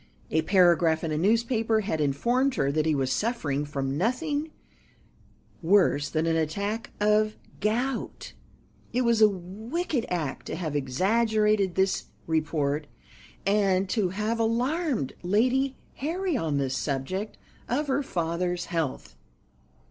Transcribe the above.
A paragraph in a newspaper had informed her that he was suffering from nothing worse than an attack of gout. It was a wicked act to have exaggerated this report, and to have alarmed Lady Harry on the subject of her father's health.